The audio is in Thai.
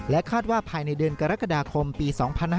คาดว่าภายในเดือนกรกฎาคมปี๒๕๕๙